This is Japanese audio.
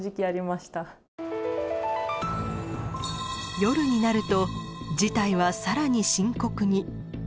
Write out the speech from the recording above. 夜になると事態はさらに深刻に。